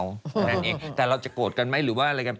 แค่นั้นเองแต่เราจะโกรธกันไหมหรือว่าอะไรกัน